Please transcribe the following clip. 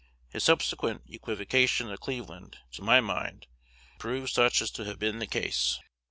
His subsequent equivocation at Cleveland, to my mind, proves such to have been the case.